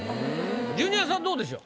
ジュニアさんどうでしょう？